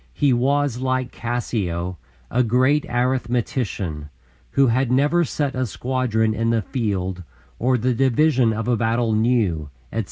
He was, like Cassio, "a great arithmetician, who had never set a squadron in the field or the division of a battle knew," etc.